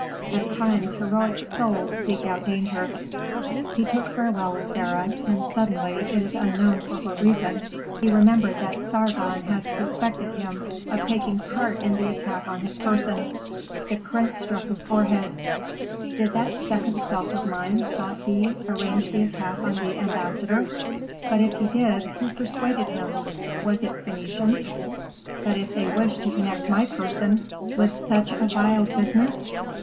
At times heroic souls seek out danger. He took farewell of Sarah, and suddenly, it is unknown for what reason, he remembered that Sargon had suspected him of taking part in the attack on his person. The prince struck his forehead. "Did that second self of mine," thought he, "arrange the attack on the ambassador? But if he did, who persuaded him? Was it Phœnicians? But if they wished to connect my person with such a vile business?